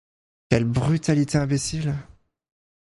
Quelle brutalité imbécile!